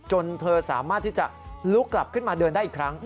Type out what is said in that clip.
จนเธอสามารถที่จะลุกกลับขึ้นมาเดินได้อีกครั้ง